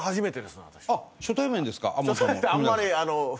あっ初対面ですか。